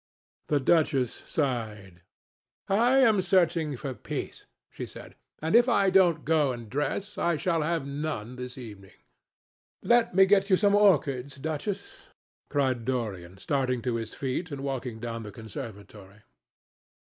The duchess sighed. "I am searching for peace," she said, "and if I don't go and dress, I shall have none this evening." "Let me get you some orchids, Duchess," cried Dorian, starting to his feet and walking down the conservatory.